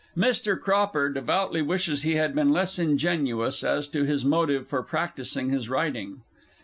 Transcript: (Mr. Cropper devoutly wishes he had been less ingenuous as to his motive for practising his riding.)